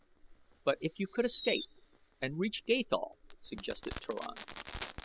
"But if you could escape and reach Gathol," suggested Turan.